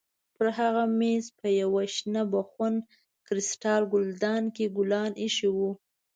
پر هغه مېز په یوه شنه بخون کریسټال ګلدان کې ګلان ایښي وو.